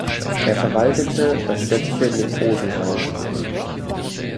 Er verwaltete das städtische Leprosenhaus.